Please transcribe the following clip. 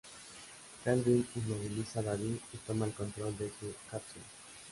Calvin inmoviliza a David y toma el control de su cápsula.